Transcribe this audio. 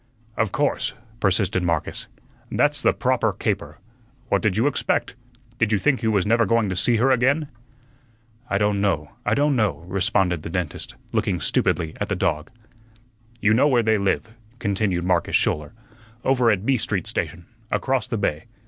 "Of course," persisted Marcus, "that's the proper caper. What did you expect? Did you think you was never going to see her again?" "I don' know, I don' know," responded the dentist, looking stupidly at the dog. "You know where they live," continued Marcus Schouler. "Over at B Street station, across the bay.